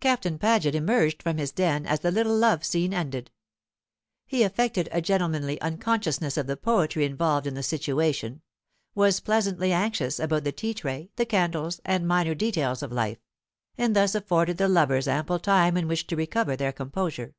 Captain Paget emerged from his den as the little love scene ended. He affected a gentlemanly unconsciousness of the poetry involved in the situation, was pleasantly anxious about the tea tray, the candles, and minor details of life; and thus afforded the lovers ample time in which to recover their composure.